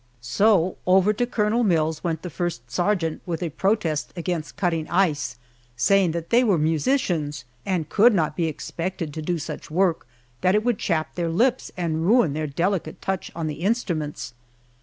So over to Colonel Mills went the first sergeant with a protest against cutting ice, saying that they were musicians and could not be expected to do such work, that it would chap their lips and ruin their delicate touch on the instruments.